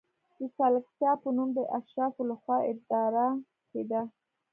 د سلکتا په نوم د اشرافو له خوا اداره کېده.